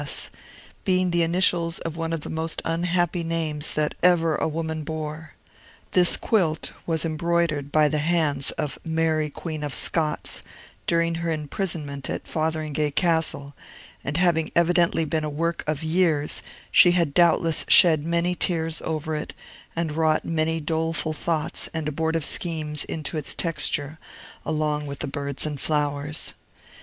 S., being the initials of one of the most unhappy names that ever a woman bore. This quilt was embroidered by the hands of Mary Queen of Scots, during her imprisonment at Fotheringay Castle; and having evidently been a work of years, she had doubtless shed many tears over it, and wrought many doleful thoughts and abortive schemes into its texture, along with the birds and flowers.